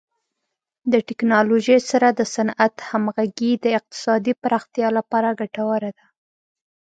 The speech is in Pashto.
د ټکنالوژۍ سره د صنعت همغږي د اقتصادي پراختیا لپاره ګټوره ده.